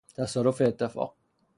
تصادف اتفاق